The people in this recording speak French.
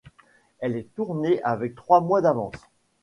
Elle est tournée avec trois mois d'avance.